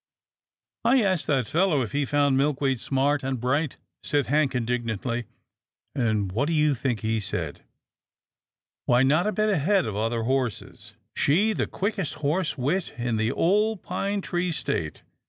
" I asked that fellow if he found Milkweed smart and bright," said Hank, indignantly, and what do you think he said, — Why, not a bit ahead of other horses — she, the quickest horse wit in the old pine tree state.